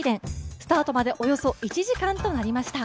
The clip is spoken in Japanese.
スタートまでおよそ１時間となりました。